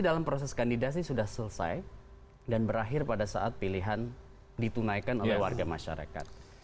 dalam proses kandidasi sudah selesai dan berakhir pada saat pilihan ditunaikan oleh warga masyarakat